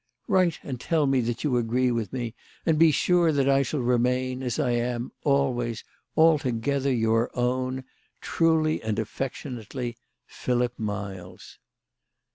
" Write and tell me that you agree with me, and be sure that I shall remain, as I am, always altogether your own, " Truly and affectionately, " PHILIP MILES."